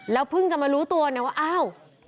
เพิ่งจะมารู้ตัวเนี่ยว่าอ้าว